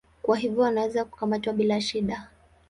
Kwa hivyo wanaweza kukamatwa bila shida.